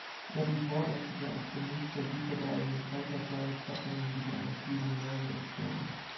That report emphasized the need for deeper-diving, ultraquiet submarine designs using long-range sonar.